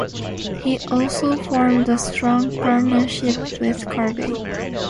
He also formed a strong partnership with Carvey.